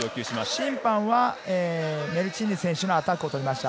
審判はメルチーヌ選手のアタックを取りました。